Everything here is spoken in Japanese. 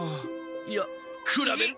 いやくらべる。